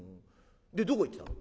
でどこ行ってたの？」。